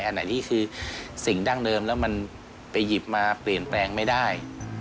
อันไหนที่คือสิ่งดั้งเดิมแล้วมันไปหยิบมาเปลี่ยนแปลงไม่ได้